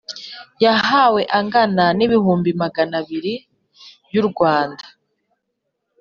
Yahawe angana n ibihumbi magana abiri y u Rwanda